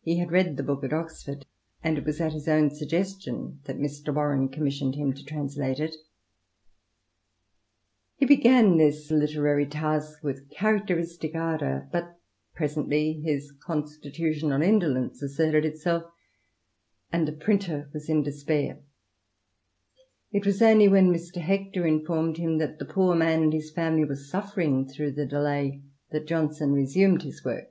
He had read the book at Oxford, and it was at his own suggestion that Mr. Warren commissioned him to translate it He began this literary ZNTROb UCTION. task with characteristic ardour, but presently his constitu tional indolence asserted itself, and the printer was in despair. It was only when Mr. Hector informed him that the poor man and his family were suffering through the delay that Johnson resumed his wort.